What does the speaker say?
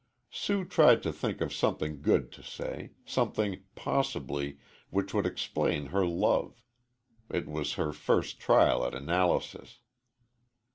Sue tried to think of something good to say something, possibly, which would explain her love. It was her first trial at analysis.